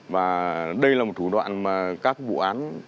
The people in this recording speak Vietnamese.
và đây là một thủ đoạn mà các vụ án